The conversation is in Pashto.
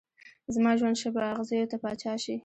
زما ژوند شه په اغزيو ته پاچا شې